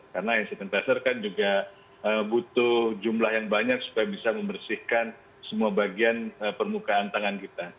karena hand sanitizer kan juga butuh jumlah yang banyak supaya bisa membersihkan semua bagian permukaan tangan kita